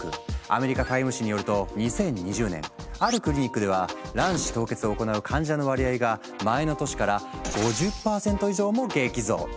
アメリカ「ＴＩＭＥ」誌によると２０２０年あるクリニックでは卵子凍結を行う患者の割合が前の年から５０％以上も激増。